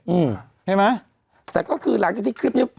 อืมใช่ไหมแต่ก็คือหลังจากที่คลิปนี้